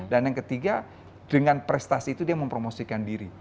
dan yang ketiga dengan prestasi itu dia mempromosikan diri